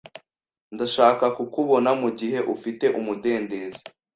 Ndashaka kukubona mugihe ufite umudendezo.